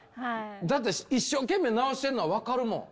だって一生懸命直してんのは分かるもん！